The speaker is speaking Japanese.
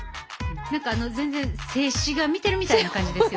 何か全然静止画見てるみたいな感じですよ。